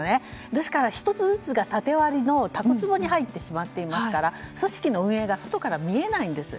ですから１つずつが縦割りの滝つぼに入ってしまっていますから組織の運営が外から見えないんです。